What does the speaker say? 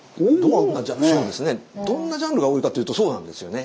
どんなジャンルが多いかというとそうなんですよね。